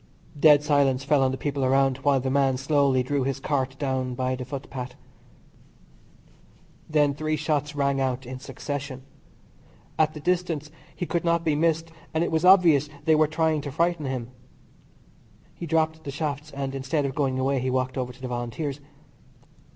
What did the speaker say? Dead silence fell on the people around while the man slowly drew his cart down by the footpath. Then three shots rang out in succession. At the distance he could not be missed, and it was obvious they were trying to frighten him. He dropped the shafts, and instead of going away he walked over to the Volunteers.